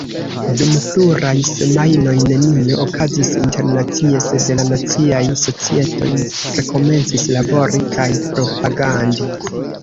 Dum pluraj semajnoj nenio okazis internacie, sed la naciaj societoj rekomencis labori kaj propagandi.